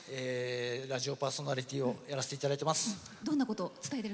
ラジオパーソナリティーをやらせていただいています。